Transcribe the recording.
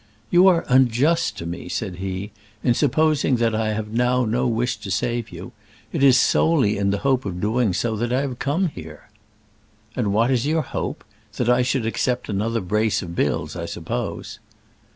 "You are unjust to me," said he, "in supposing that I have now no wish to save you. It is solely in the hope of doing so that I have come here." "And what is your hope? That I should accept another brace of bills, I suppose."